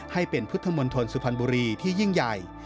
ให้เป็นพุทธมนตรสุพรรณบุรีที่ยิ่งใหญ่